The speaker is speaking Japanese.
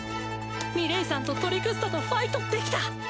ミレイさんとトリクスタとファイトできた！